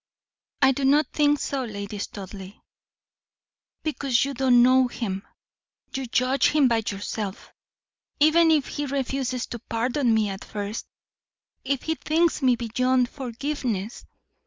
"I do not think so, Lady Studleigh." "Because you do not know him; you judge him by yourself. Even if he refuses to pardon me at first, if he thinks me beyond forgiveness.